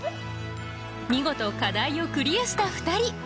見事課題をクリアした２人。